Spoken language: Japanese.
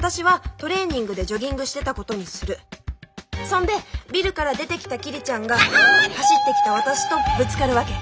そんでビルから出てきた桐ちゃんが走ってきた私とぶつかるわけ。